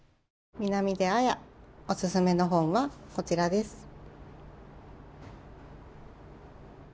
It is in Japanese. おすすめの本はこちらです。